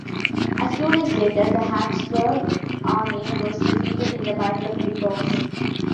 A few days later the Habsburg army was defeated in the Battle of Lugos.